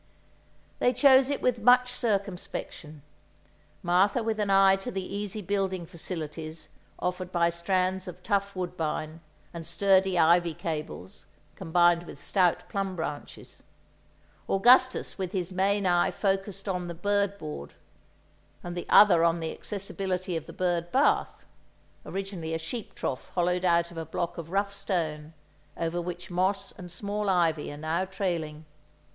They chose it with much circumspection—Martha with an eye to the easy building facilities offered by strands of tough woodbine, and sturdy ivy cables, combined with stout plum branches; Augustus with his main eye focussed on the bird board, and the other on the accessibility of the bird bath (originally a sheep trough hollowed out of a block of rough stone, over which moss and small ivy are now trailing).